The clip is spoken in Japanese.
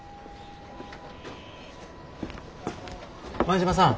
前島さん